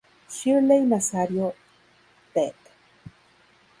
Shirley Nazario, Det.